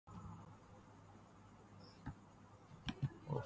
بنت صحرا روٹھا کرتی تھی مجھ سے